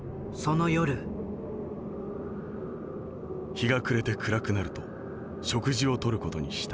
「日が暮れて暗くなると食事をとる事にした。